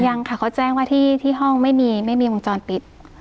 ยังค่ะเขาแจ้งว่าที่ห้องไม่มีไม่มีวงจรปิด